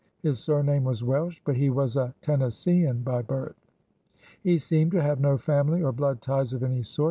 His surname was Welsh, but he was a Tennesseean by birth. He seemed to have no family or blood ties of any sort.